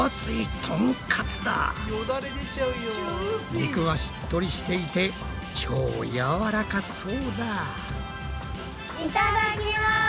肉はしっとりしていて超やわらかそうだ。